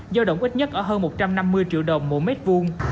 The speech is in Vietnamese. giao động ít nhất ở hơn một trăm năm mươi triệu đồng mỗi mét vuông